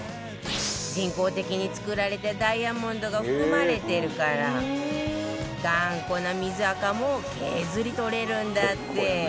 人工的に作られたダイヤモンドが含まれてるから頑固な水アカも削り取れるんだって